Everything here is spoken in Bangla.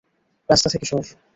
রাস্তা থেকে সর।